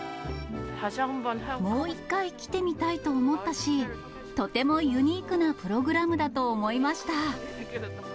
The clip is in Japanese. もう一回来てみたいと思ったし、とてもユニークなプログラムだと思いました。